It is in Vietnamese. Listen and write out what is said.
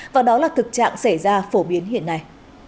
và đó là thực trạng xảy ra phổ biến hiện nay